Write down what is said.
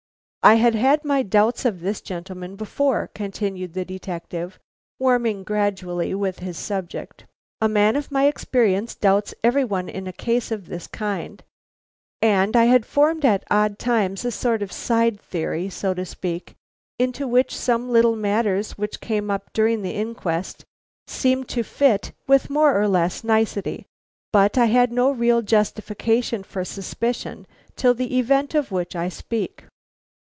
"I had had my doubts of this gentleman before," continued the detective, warming gradually with his subject. "A man of my experience doubts every one in a case of this kind, and I had formed at odd times a sort of side theory, so to speak, into which some little matters which came up during the inquest seemed to fit with more or less nicety; but I had no real justification for suspicion till the event of which I speak.